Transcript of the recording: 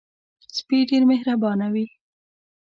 سپي ډېر مهربانه وي.